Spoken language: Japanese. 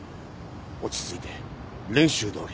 落ち着いて練習どおり。